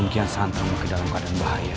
raikian santu mau ke dalam keadaan bahaya